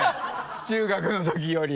中学のときより。